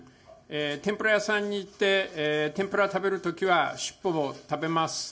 天ぷら屋さんに行って、天ぷらを食べるときは尻尾も食べます。